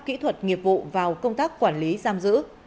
kỹ thuật nghiệp vụ vào công tác quản lý giam giữ